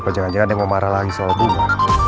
jangan jangan dia mau marah lagi soal bunga